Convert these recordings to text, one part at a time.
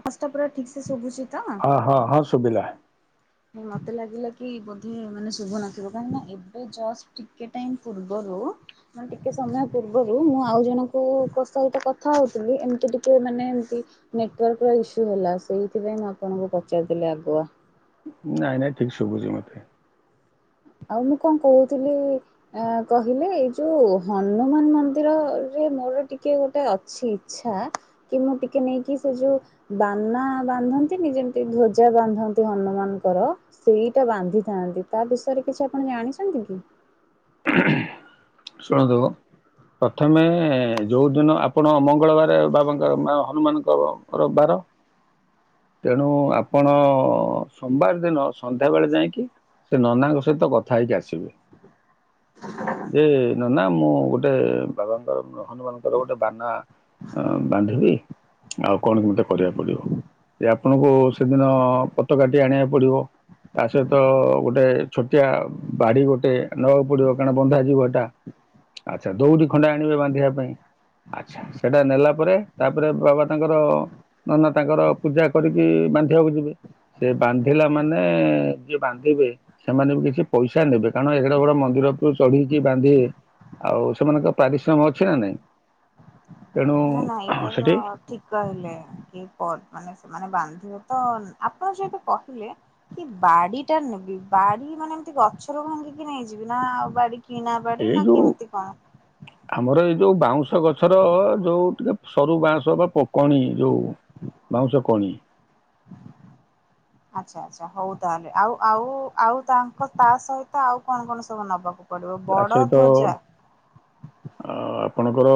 ଅସ୍ ତ ପୁରା ଠିକ ସେ ଶୁଭୁଚି ତ? ହଁ ହଁ ହଁ ଶୁଭିଲା ନାଇଁ ମତେ ଲାଗିଲା କି ବୋଧେ ମାନେ ଶୁଭୁ ନଥିବ କାହିଁ ନାଁ ଏବେ ଜଷ୍ଟ୍ ଟିକେ ଟାଇମ୍ ପୂର୍ବରୁ ମାନେ ଟିକେ ସମୟ ପୂର୍ବରୁ ମୁଁ ଆଉ ଜଣଙ୍କୁ ଙ୍କ ସହିତ କଥା ହୋଉଥୁଲି ଏମିତି ଟିକେ ମାନେ ଏମତି ନେଟାର୍କର ଇସୁ ହେଲା ସେଇଥିପାଇଁ ମୁଁ ଆପଣଙ୍କୁ ପଚାରିି ଦେଲି ଆଗୁଆ। ନାଇଁ ନାଇଁ ଠିକ୍ ଶୁବୁଚି ମତେ। ଆଉ ମୁଁ କଣ କୋହୁଥିଲି ଆଁ କହିଲେ ଏଇ ଯୋଉ ହନୁମାନ ମନ୍ଦିରରେ ମୋର ଟିକେ ଗୋଟେ ଅଛି ଇଚ୍ଛା କି ମୁଁ ଟିକେ ନେଇକି ସେ ଯୋଉ ବାନା ବାନ୍ଧନ୍ତିନି ଯେମିତି ଧ୍ଵଜା ବାନ୍ଧନ୍ତି ହନୁମାନଙ୍କର ସେଇଟା ବାନ୍ଧିଥାନ୍ତି ତା ବିଷ କିଛି ଆପଣ ଜାଣିଛନ୍ତି କି? ଶୁଣନ୍ତୁ ପ୍ରଥମେ ଯୋଉ ଦିନ ଆପଣ ମଙ୍ଗଳବାରେ ବାବାଙ୍କ ମା ହନୁମାନଙ୍କର ବାର ତେଣୁ ଆପଣ ସୋମବାର ଦିନ ସନ୍ଧ୍ୟା ବେଳେ ଯାଇଁକି ସେ ନନାଙ୍କ ସହିତ କଥା ହେଇକି ଆସିବେ ଯେ ନନା ମୁଁ ଗୋଟେ ବାବାଙ୍କର ହନୁମାନଙ୍କର ଗୋଟେ ବାନା ଅଁ ବାନ୍ଧିବି ଆଉ କଣ କେମତେ କରିବାକୁ ପଡ଼ିବ ଏ ଆପଣଙ୍କୁ ସେଦିନ ପତକାଟି ଆଣିବାକୁ ପଡ଼ିବ ତା ସହିତ ଗୋଟେ ଛୋଟିଆ ବାଡ଼ି ଗୋଟେ ନବାକୁ ପଡିବ କାରଣ ବନ୍ଧା ଯିବ ଏଟା। ଆଚ୍ଛା ଦୋଉଡି ଖଣ୍ଡେ ଆଣିବେ ବାନ୍ଧିବା ପାଇଁ। ଆଚ୍ଛା ସେଟା ନେଲା ପରେ ତାପରେ ବାବା ତାଙ୍କର ନନା ତାଙ୍କର ପୂଜା କରିକି ବାନ୍ଧିବାକୁ ଯିବେ। ସେ ବାନ୍ଧିଲା ମାନେ ଯିଏ ବାନ୍ଧିବେ ସେମାନେ ବି କିଛି ପଇସା ନେବେ କାରଣ ଏଡ଼େ ଗୋଟେ ମନ୍ଦିର ଉପରୁ ଚଢିକି ବାନ୍ଧେ ଆଉ ସେମାନଙ୍କର ପାରିଶ୍ରମ ଅଛି ନାଁ ନାଇଁ। ତେଣୁ ନାଁ ନାଁ ଏଇଟା ତ ସେଠି ଠିକ କହିଲେ କି ପର୍ ମାନେ ସେମାନେ ବାନ୍ ଉଁ ତ ଆପଣ ଯେହେତୁ କହିଲେ କି ବାଡି଼ଟା ନେବି ବାଡ଼ି ମାନେ ଏମତି ଗଛରୁ ଭାଙ୍ଗିକି ନେଇଯିବି ନାଁ ଆଉ ବାଡି କିଣା ବାଡ଼ି ଏଇ ନାଁ ଯୋଉ କେମିତି କଣ? ଆମର ଏଇ ଯୋଉ ବାଉଁଶ ଗଛର ଯୋଉ ଟିକେ ସରୁ ବାଉଁଶ ବା ପ କଣି ଯୋଉ ବାଉଁଶ କଣି। ଆଚ୍ଛା ଆଚ୍ଛା ହଉ ତାହେଲେ ଆଉ ଆଉ ଆଉ ତାଙ୍କ ତା ସହିତ ଆଉ କଣ କଣ ସବୁ ନବାକୁ ପଡ଼ିବ ବଡ଼ ଧ୍ୱଜା ଆ ଆପଣଙ୍କର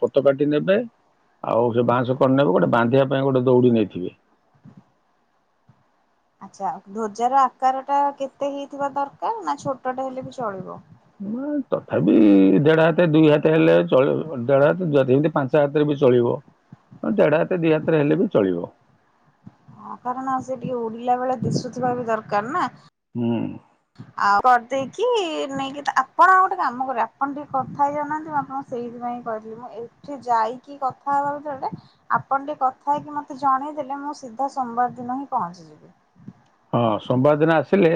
ପତକାଟି ନେବେ ଆଉ ସେ ବାଁସ କଣି ନେବେ ଗୋଟେ ବାନ୍ଧିବା ପାଇଁ ଗୋଟେ ଦୌଡି ନେଇଥିବେ। ଆଚ୍ଛା ଆଉ ଧ୍ୱଜାର ଆକାରଟା କେତେ ହେଇଥିବା ଦରକାର ନାଁ ଛୋଟଟେ ହେଲେ ବି ଚଳିବ? ନୂଆ ତଥାପି ଦେଢ଼ ହାତେ ଦୁଇ ହାତେ ହେଲେ ଚଳିବ। ଦେଢ ହାତେ ଯଦି ଯେମିତି ପାଞ୍ଚ ହାତରେ ବି ଚଳିବ ଅଁ ଦେଢ ହାତ ଦି ହାତରେ ହେଲେ ବି ଚଳିବ। ହଁ କାରଣ ସେ ଟିକେ ଉଡ଼ିଲା ବେଳେ ଦିଶୁଥିବା ବି ଦରକାର ନାଁ। ହୁଁ। ଆଉ କରିଦେଇକି ନେଇକି ଆପଣ ଆଉ ଗୋଟେ କାମ କରିବେ ଆପଣ ଟିକେ କଥା ହେଇ ଯାଉହାନ୍ତି ମୁଁ ଆପଣଙ୍କୁ ସେଇଥିପାଇଁ କହିଥିଲି ମୁଁ ଏଠୁ ଯାଇକି କଥା ହବା ବଦଳରେ ଆପଣ ଟିକେ କଥା ହେଇକି ମତେ ଜଣେଇଦେଲେ ମୁଁ ସିଧା ସୋମବାର ଦିନ ହିଁ ପହଞ୍ଚିଯିବି। ଥିଲେ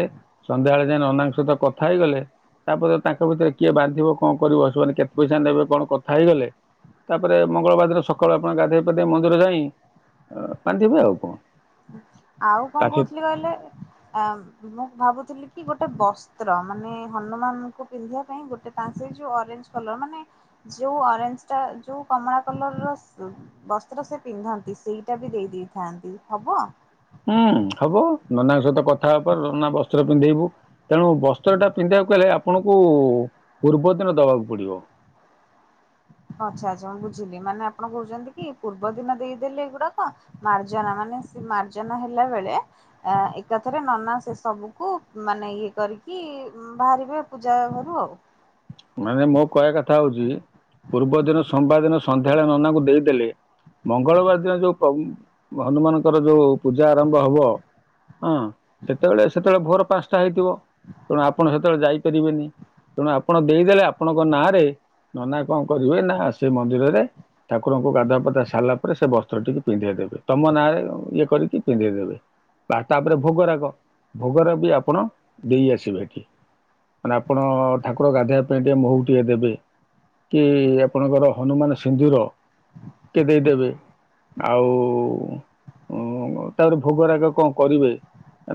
ସନ୍ଧ୍ୟାବେଳେ ଯାଇଁ ନନାଙ୍କ ସହିତ କଥା ହେଇଗଲେ ତାପରେ ତାଙ୍କ ଭିତରେ କିଏ ବାନ୍ଧିବ କଣ କରିବ ସେମାନେ କେତେ ପଇସା ନେବେ କଣ କଥା ହେଇଗଲେ ତାପରେ ମଙ୍ଗଳବାର ଦିନ ସକାଳୁ ଆପଣ ଗାଧୋଇ ପଧେଇ ମନ୍ଦିର ଯାଇଁ ଅ ବାନ୍ଧିବେ ଆଉ କଣ। ଆଉ ତା କଣ ସହିତ କୋହୁଥିଲି କହିଲେ ଆ ମୁଁ ଭାବୁଥିଲି କି ଗୋଟେ ବସ୍ତ୍ର ମାନେ ହନୁମାନଙ୍କୁ ପିନ୍ଧିବା ପାଇଁ ଗୋଟେ ତାଙ୍କେ ଯୋଉ ଅରେଞ୍ଜ କଲର ମାନେ ଯୋଉ ଅରେଞ୍ଜଟା ଯୋଉ କମଳା କଲରର ବସ୍ତ୍ର ସେ ପିନ୍ଧନ୍ତି ସେଇଟା ବି ଦେଇ ଦେଇେଇଥାନ୍ତି। ହବ? ହୁଁ ହବ ନନାଙ୍କ ସହିତ କଥା ହବା ପରେ ନନା ବସ୍ତ୍ର ପିନ୍ଧେଇବୁ ତେଣୁ ବସ୍ତ୍ରଟା ପିନ୍ଧିବାକୁ ଗଲେ ଆପଣଙ୍କୁ ପୂର୍ବ ଦିନ ଦବାକୁ ପଡ଼ିବ। ହଁ ଆଚ୍ଛା ଆଚ୍ଛା ମୁଁ ବୁଝିଲି ମାନେ ଆପଣ କୋହୁଚନ୍ତି କି ପୂର୍ବ ଦିନ ଦେଇଦେଲେ ଏଗୁଡ଼ାକ ମାର୍ଜନା ମାନେ ସେ ମାର୍ଜନା ହେଲା ବେଳେ ଅଁ ଏକାଥରେ ନନା ସେ ସବୁକୁ ମାନେ ଇଏ କରିକି ବାହାରିବେ ପୂଜା ଘରୁ ଆଉ। ମାନେ ମୋ କହିବା କଥା ହୋଉଚି ପୂର୍ବ ଦିନ ସୋମବାର ଦିନ ସନ୍ଧ୍ୟାବେଳେ ନନାଙ୍କୁ ଦେଇଦେଲେ ମଙ୍ଗଳବାର ଦିନ ଯୋଉ ପ୍ରଉ ହନୁମାନଙ୍କର ଯୋଉ ପୂଜା ଆରମ୍ଭ ହବ ଅଁ ସେତବେଳେ ସେତବେଳେ ଭୋର ପାଁଶଟା ହେଇଥିବ ତେଣୁ ଆପଣ ସେତେବେଳେ ଯାଇପାରିବେନି ତେଣୁ ଆପଣ ଦେଇଦେଲେ ଆପଣଙ୍କ ନାଁରେ ନନା କଣ କରିବେ ନା ସେ ମନ୍ଦିରରେ ଠାକୁରଙ୍କୁ ଗାଧୁଆ ପାଧୁଆ ସାରିଲା ପରେ ସେ ବସ୍ତ୍ର ଟିକୁ ପିନ୍ଧେଇ ଦେବେ ତମ ନାଁରେ ଇଏ କରିକି ପିନ୍ଧେଇ ଦେବେ। ତାପରେ ଭୋଗରାଗ ଭୋଗରାଗ ବି ଆପଣ ଦେଇ ଆସିବେ ମାନେ ଆପଣ ଠାକୁର ଗାଧୋଇବା ତା ପାଇଁ ଟିକେ ମହୁ ଟିକେ ଦେବେ କି ଆପଣଙ୍କର ହନୁମାନ ସିନ୍ଦୁର ଟଏ ଦେଇଦେବେ ଆଉ ତାପରେ ଭୋଗରାଗ କଣ କରିବେ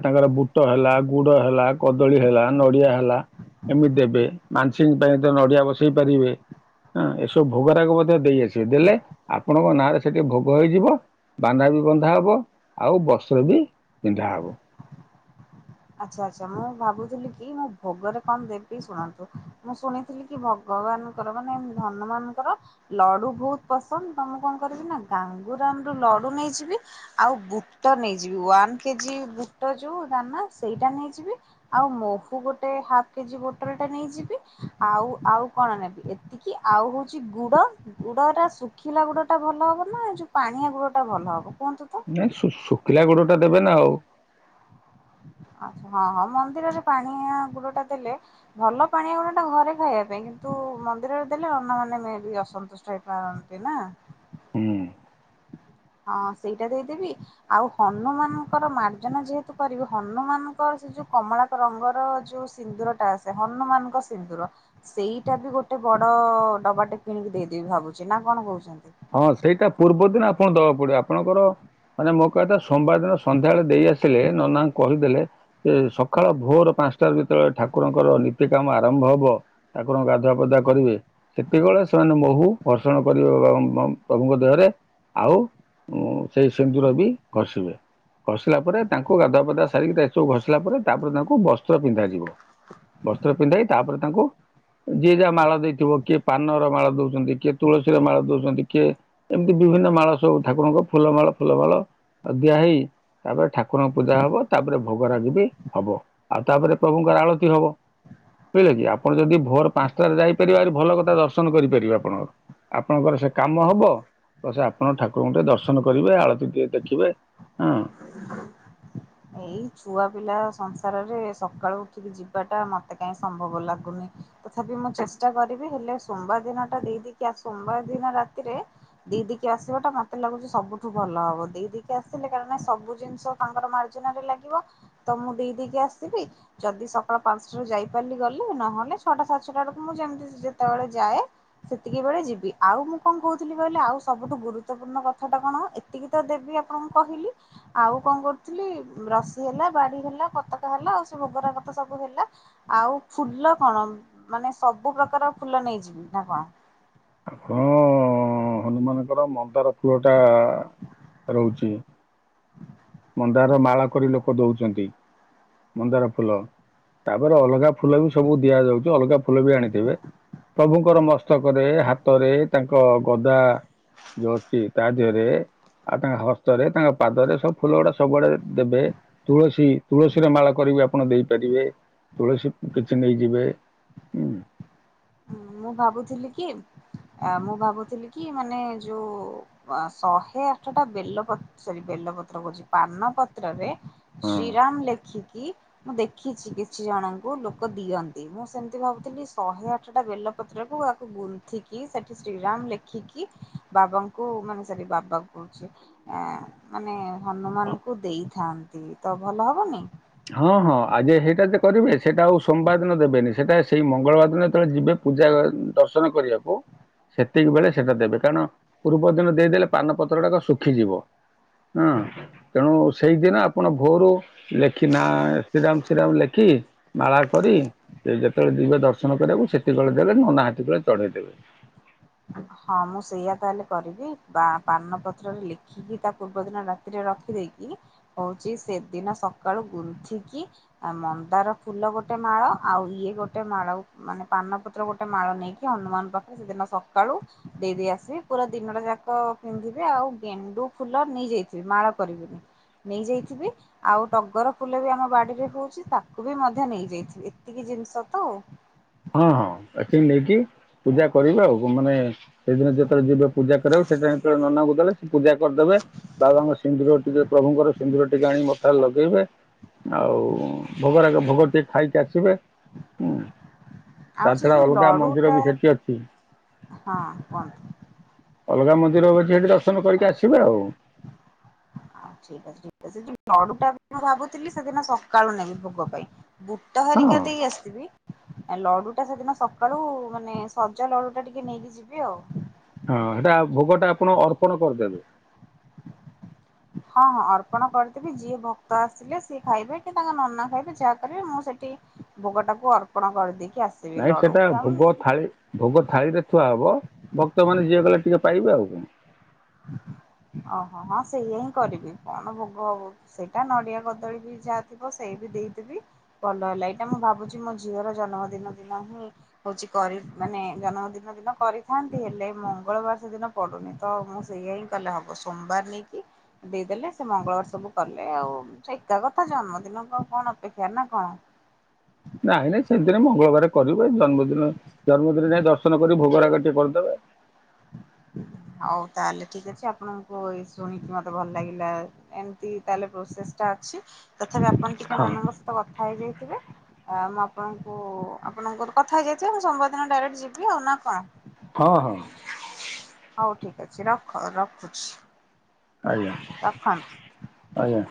ତାଙ୍କର ବୁଟ ହେଲା, ଗୁଡ଼ ହେଲା, କଦଳୀ ହେଲା, ନଡ଼ିଆ ହେଲା, ଏମିତି ଦେବେ। ମାାନସଙ୍କ ପାଇଁ ତ ନଡ଼ିଆ ବସେଇ ପାରିବେ ଏସବୁ ଭୋଗରାଗ ମଧ୍ୟ ଦେଇଆସିବେ ଦେଲେ ଆପଣଙ୍କ ନାଁରେ ସେଠି ଭୋଗ ହେଇଯିବ ବାନା ବି ବନ୍ଧା ହେବ ଆଉ ବସ୍ତ୍ର ବି ପିନ୍ଧା ହେବ। ଆଚ୍ଛା ଆଚ୍ଛା ମୁଁ ଭାବୁଥିଲି କି ମୁଁ ଭୋଗରେ କଣ ଦେବି ଶୁଣନ୍ତୁ ମୁଁ ଶୁଣିଥିଲି କି ଭଗବାନଙ୍କର ମାନେ ଧନୁମାନଙ୍କର ଲଡୁ ବହୁତ ପସନ୍ଦ ତ ମୁଁ କଣ କରିବି ନା ଗାଙ୍ଗୁରାମ ରୁ ଲଡୁ ନେଇଯିବି ଆଉ ବୁଟ ନେଇଯିବି ୱାନ କେଜି ବୁଟ ଯୋଉ ଦାନା ସେଇଟା ନେଇଯିବି ଆଉ ମହୁ ଗୋଟେ ହାଫ୍ କେଜି ବୋଟଲଟା ନେଇଯିବି ଆଉ ଆଉ କଣ ନେବି ଏତିକି ଆଉ ହଉଛି ଗୁଡ଼ ଗୁଡ଼ଟା ଶୁଖିଲା ଗୁଡ଼ଟା ଭଲ ହବ ନା ଏ ଯୋଉ ପାଣିଆ ଗୁଡ଼ଟା ଭଲ ହବ? କୁହନ୍ତୁ ତ? ନାଇଁ ଶୁଖିଲା ଗୁଡ଼ ଦେବେ ନା ଆଉ ଆଛା ହଁ ହଁ ମନ୍ଦିରରେ ପାଣିଆ ଗୁଡ ଟା ଦେଲେ ଭଲ ପାଣିଆ ଗୁଡ ଟା ଘରେ ଖାଇବା ପାଇଁ କିନ୍ତୁ ମନ୍ଦିରରେ ଦେଲେ ଅନ୍ୟମାନେ ବି ଅସନ୍ତୁଷ୍ଟ ହେଇପାରନ୍ତି ନା। ହୁଁ। ହଁ ସେଇଟା ଦେଇଦେବି ଆଉ ହନୁମାନଙ୍କର ମାର୍ଜନା ଯେହେତୁ କରିବି ହନୁମାନଙ୍କର ସେ ଯୋଉ କମଳା ରଙ୍ଗର ଯୋଉ ସିନ୍ଦୁର ଟା ଆସେ ହନୁମାନଙ୍କ ସିନ୍ଦୁର ସେଇଟା ବି ଗୋଟେ ବଡ ଡବାଟେବ କିଣିକି ଦେଇଦେବି ଭାବୁଛି ନା କଣ କହୁଛନ୍ତି? ହଁ ସେଇଟା ପୂର୍ବ ଦିନ ଆପ ଣ ଦେବା ପଡିବ ଆପଣଙ୍କର ମାନେ ମୋ କହଥା ସୋମବାର ଦିନ ସନ୍ଧ୍ୟାବେଳେ ଦେଇ ଆସିଲେ ନନାଙ୍କ କହିଦେଲେ ଯେ ସକାଳ ଭୋର ପାଞ୍ଚଟା ଭିତବେଳେ ଠାକୁରଙ୍କର ନୀତି କାମ ଆରମ୍ଭ ହବ ଠାକୁରଙ୍କ ଗାଧୁଆ ପାଧୁଆ କରିବେ ସେତିକିବେଳେ ସେମାନେ ମହୁ ଭର୍ଷଣ କରିବେ ମ ପ୍ରଭୁଙ୍କ ଦେହରେ ଆଉ ସେଇ ସିନ୍ଦୁର ବି ଘଷିବେ ଘଷିଲା ପରେ ତାଙ୍କୁ ଗାଧୁଆପଧା ସାରିକି ତା ସବୁ ଘଷିଲା ପରେ ତାପରେ ତାଙ୍କୁ ବସ୍ତ୍ର ପିନ୍ଧାଯିବ ବସ୍ତ୍ର ପିନ୍ଧାଇ ତାପରେ ତାଙ୍କୁ ଯିଏ ଯାହା ମାଳ ଦେଇଥିବ କିଏ ପାନର ମାଳ ଦେଉଛନ୍ତି କିଏ ତୁଳସୀର ମାଳ ଦେଉଛନ୍ତି ଟେ ଏମିତି ବିଭିନ୍ନ ମାଳ ସବୁ ଠାକୁରଙ୍କ ଫୁଲମାଳ ଫୁଲମାଳ ଦିଆ ହେଇ ତାପରେ ଠାକୁରଙ୍କ ପୂଜା ହବ ତାପରେ ଭୋଗରାଗ ବି ହବ ଆଉ ତାପରେ ପ୍ରଭୁଙ୍କର ଆଳତି ହବ ବୁଝିଲେ କି ଆପଣ ଯଦି ଭୋର ପାଞ୍ଚଟାରେ ଯାଇପାରିବେ ଆରି ଭଲ କଥା ଦର୍ଶନ କରିପାରିବେ ଆପଣଙ୍କର ଆପଣଙ୍କର ସେ କାମ ହବ ତ ସେ ଆପଣ ଠାକୁରଙ୍କୁ ଟେ ଦର୍ଶନ କରିବେ ଆଳତି ଟେ ଦେଖିବେ ହଁ। ଏଇ ଛୁଆ ପିଲା ସଂସାରରେ ସକାଳୁ ଉଠିକି ଯିବାଟା ମତେ କାହିଁ ସମ୍ଭବ ଲାଗୁନି। ତଥାପି ମୁଁ ଚେଷ୍ଟା କରିବି ହେଲେ ସୋମବାର ଦିନ ଟା ଦେଇଦକି ସୋମବାର ଦିନ ରାତିରେ ଦେଇଦକି ଆସିବା ଟା ମତେ ଲାଗୁଛି ସବୁଠୁ ଭଲ ହବ ଦେଇଦକି ଆସିଲେ କାରଣ ସବୁ ଜିନିଷ ତାଙ୍କର ମାରି ଲାଗିବ ତ ମୁଁ ଦେଇ ଦେଇକି ଆସିବି ଯଦି ସକାଳ ପାଞ୍ଚଟାରୁ ଯାଇପାରିଲି ଗଲି ନହେଲେ ଛଅଟା ସାତ ଛଟା ବେଳକୁ ମୁଁ ଯେମିତି ଯେତେବେଳେ ଯାଏ ସେତିକି ବେଳେ ଯିବି। ଆଉ ମୁଁ କଣ କହୁଥିଲି କହିଲେ ଆଉ ସବୁଠୁ ଗୁରୁତ୍ୱପୂର୍ଣ୍ଣ କଥାଟା କଣ ଏତିକି ତ ଦେବି ଆପଣଙ୍କୁ କହିଲି ଆଉ କଣ କରୁ ରସି ହେଲା ବାଡି ହେଲା ପତାକା ହେଲା ଆଉ ସେ ଭୋଗରା କଥା ସବୁ ହେଲା ଆଉ ଫୁଲ କଣ ମାନେ ସବୁ ପ୍ରକାର ଫୁଲ ନେଇଯିବି ନା କଣ? ମାନଙ୍କର ମନ୍ଦାର ଫୁଲ ଟା ରହୁଛି ମନ୍ଦାର ମାଳ କରି ଲୋକ ଦଉଛନ୍ତି। ମନ୍ଦାର ଫୁଲ ତାପରେ ଅଲଗା ଫୁଲ ବି ସବୁ ଦିଆଯାଉଛି ଅଲଗା ଫୁଲ ବି ଆଣିଥିବେ। ପ୍ରଭୁଙ୍କର ମସ୍ତକରେ ହାତରେ ତାଙ୍କ ଗଦା ଯୋଉ ଅଛି ତା ଦେହରେ ଆଉ ତାଙ୍କ ହସ୍ତରେ ତାଙ୍କ ପାଦରେ ସବୁ ଫୁଲ ଗୁଡା ସବୁଆଡେ ଦେବେ ତୁଳସୀ ତୁଳସୀରେ ମାଳ କରିକି ଆପଣ ଦେଇପାରିବେ ତୁଳସୀ କିଛି ନେଇଯିବେ ହଁ ମୁଁ ଭାବୁଥିଲି କି ମୁଁ ଭାବୁଥିଲି କି ମାନେ ଯୋଉ ଶହେ ଆଠଟା ବେଲ ସରି ବେଲପତ୍ର କହୁଛି ପାନ ପତ୍ରରେ ହଁ। ଶ୍ରୀରାମ ଲେଖିକି ମୁଁ ଦେଖିଛି କିଛି ଜଣଙ୍କୁ ଲୋକ ଦିଅନ୍ତି ମୁଁ ସେମିତି ଭାବୁଥିଲି ଶହେ ଆଠ ଟା ବେଲପତ୍ରକୁ ତାକୁ ଗୁନ୍ଥିକି ସେଠି ଶ୍ରୀରାମ ଲେଖିକି ବାବାଙ୍କୁ ମାନେ ସେଠି ବାବା କହୁଛି ମାନେ ହନୁମାନଙ୍କୁ ଦେଇଥାନ୍ତି ତ ଭଲ ହବନି। ହଁ ହଁ ଆଜି ସେଇଟା ଯେ କରିବେ ସେଇଟା ଆଉ ସୋମବାର ଦିନ ଦେବେନି ସେଟା ସେଇ ମଙ୍ଗଳବାର ଦିନ ଯେତେବେଳେ ଯିବେ ପୂଜା ଦର୍ଶନ କରିବାକୁ ସେତିକି ବେଳେ ସେଟା ଦେବେ କାରଣ ପୂର୍ବ ଦିନ ଦେଇଦେଲେ ପାନ ପତ୍ରଟା ତ ଶୁଖିଯିବ ହଁ ତେଣୁ ସେଇଦିନ ଆପଣ ଭୋରୁ ଲେ ନା ଶ୍ରୀରାମ ଶ୍ରୀରାମ ଲେଖି ମାଳା କରି ଯେତେବେଳେ ଯିବେ ଦର୍ଶନ କରିବାକୁ ସେତିକିଳେ ଦେବେ ନ ନାହାତିକଳେ ଚଢେଇ ଦେବେ। ହଁ ମୁଁ ସେଇୟା ତାହେଲେ କରିବି ବା ପାନପତ୍ରରେ ଲେଖିକି ତା ପୂର୍ବ ଦିନ ରାତିରେ ରଖିଦେଇକି ହଉଛି ସେଦିନ ସକାଳୁ ଗୁନ୍ଥିକି ମନ୍ଦାର ଫୁଲ ଗୋଟେ ମାଳ ଆଉ ଇଏ ଗୋଟେ ମାଳ ମାନେ ପାନପତ୍ର ଗୋଟେ ମାଳ ନେଇକି ହନୁମାନଙ୍କ ପାଖରେ ସେଦିନ ସକାଳୁ ଦେଇ ଦେଇେଇ ଆସିବି ପୁରା ଦିନଟା ଯାକ ପିନ୍ଧିବି ଆଉ ଗେଣ୍ଡୁ ଫୁଲ ନେଇଯାଇଥିବି ମାଳ କରିକି ନେଇଯାଇଥିବି ଆଉ ଟଗର ଫୁଲ ବି ଆମ ବାଡିରେ ହଉଛି ତାକୁ ବି ମଧ୍ୟ ନେଇଯାଇଥିବି ଏତିକି ଜିନିଷ ତ ଆଉ। ହଁ ହଁ ଅ ଏତିକି ନେଇକି ପୂଜା କରିବା ଆଉ ମାନେ ସେଇଦିନ ଯେତେବେ ଯିବ ପୂଜା କରିବାକୁ ସେଟ ଯେତେବେଳେ ନନା ଗଲେ ପୂଜା କରିଦେବେ ବାବାଙ୍କ ସିନ୍ଦୁର ଟିକେ ପ୍ରଭୁଙ୍କର ସନ୍ଦୁର ଟିକେ ଆଣିି ମଥାରେ ଲଗେଇବେ ଆଉ ଭୋଗରାଗ ଭୋଗ ଟିକେ ଖାଇକି ଆସିବେ। ତା ଆଉ ସେ ଛଡା ଯୋଉ ଅଲଗା ଲଡୁ ମନ୍ଦିର ଟା ବି ସେଠି ଅଛି ହଁ କୁହନ୍ତୁ। ଅଲଗା ମନ୍ଦିର ଅଛି ସେଇଠି ଦର୍ଶନ କରିକି ଆସିବେ ଆଉ। ଆଉ ଠିକ ଅଛି ଠିକ ଅଛି। ଯ ଲଡୁଟା ବି ମୁଁ ଭାବୁଥିଲି ସେଦିନ ସକାଳୁ ନେବି ଭୋଗ ପାଇଁ। ବୁଟ ହଁ। ହରିକା ଦେଇ ଆସିଥିବି ଲଡୁ ଟା ସେଦିନ ସକାଳୁ ମାନେ ସଜ ଲଡୁ ଟା ଟିକେ ନେଇକି ଯିବି ଆଉ। ହଁ ହେଟା ଭୋଗଟା ଆପଣ ଅର୍ପଣ କରିଦେବେ। ହଁ ହଁ ଅର୍ପଣ କରିଦେବି ଯିଏ ଭକ୍ତ ଆସିଲେ ସିଏ ଖାଇବେ କି ତାଙ୍କ ନନା ଖାଇବେ ଯାହା କରିବେ ମୁଁ ସେଠି ଭୋଗ ଟାକୁ ଅର୍ପଣ କରିଦିି ନାଇଁ ସେଟା ଭୋଗ ଥାଳି ଭୋଗ ଥାଳିରେ ଥୁଆ ହବ ଭକ୍ତ ମାନେ ଯିଏ ଗଲେ ଟିକେ ପାଇବେ ଆଉ କଣ। ଓହୋ ହଁ ସେଇଆ ହିଁ କରିବି କଣ ଭୋଗ ହବ ସେଇଟା ନଡିଆ କଦଳୀ ବି ଯାହା ଥିବ ସେଇ ବି ଦେଇଦେବି ଭଲ ହେଲା ଏଇଟା ମୁଁ ଭାବୁଚି ମୋ ଝିଅର ଜନ୍ମଦିନ ଦିନ ହିଁ ହଉଚି କରି ମାନେ ଜନ୍ମଦିନ ଦିନ କରିଥାନ୍ତି ହେଲେ ମଙ୍ଗଳବାର ସେଦିନ ପଡୁନି ତ ମୁଁ ସେଇୟା ହିଁ କଲେ ହବ ସୋମବାର ନେଇକି ଦେଇଦେଲେ ସେ ମଙ୍ଗଳବାର ସବୁ କଲେ ଆଉ ସେ ଏକା କଥା ଜନ୍ମଦିନ କୁ ଆଉ କଣ ଅପେକ୍ଷା ନା କଣ। ନାଇଁ ନାଇଁ ସେଇଦିନ ମଙ୍ଗଳବାର କରିବେ ଜନ୍ମଦିନ ଜନ୍ମଦିନ ଯାଇ ଦର୍ଶନ କରି ଭୋଗ ରାଗ ଟିକେ କରିଦେବେ। ହଉ ତାହେଲେ ଠିକ ଅଛି ଆପଣଙ୍କୁ ଏ ଶୁଣିକି ମତେ ଭଲ ଲାଗିଲା ଏମତି ତାହେଲେ ପ୍ରୋସେସଟା ଅଛି ତଥାପି ଆପ ପଣ ଟିକେ ହଁ ନନା ଙ୍କ ସହ କଥା କଥା ହେଇଯାଇଥିବେ ମୁଁ ଆପଣଙ୍କୁ ଆପଣଙ୍କର କଥା ହେଇଯାଇଥିବେ ମୁଁ ସୋମବାର ଦିନ ଡାଇରେକ୍ଟ ଯିବି ଆଉ ନା କଣ? ହଁ ହଁ। ହଉ ଠିକ ଅଛି ରଖ ରଖୁଛି। ଆଜ୍ଞା ରଖନ୍ତୁ। ଆଜ୍ଞା।